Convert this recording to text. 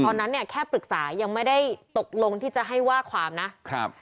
ตอนนั้นเนี่ยแค่ปรึกษายังไม่ได้ตกลงที่จะให้ว่าความนะครับ